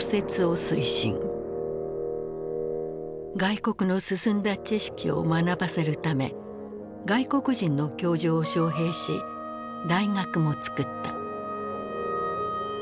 外国の進んだ知識を学ばせるため外国人の教授を招へいし大学もつくった。